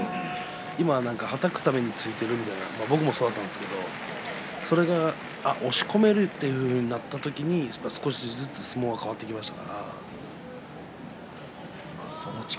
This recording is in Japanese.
今、はたくために突いているみたいな僕も、そうだったんですけどそれが押し込めるようになってから、少しずつ相撲が変わってきました。